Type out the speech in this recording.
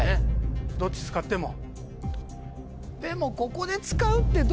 どっち使っても。